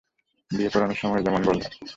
বিয়ে পড়ানোর সময়ে যেমন বলে আরকি।